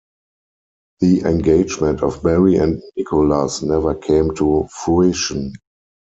The engagement of Mary and Nicholas never came to fruition.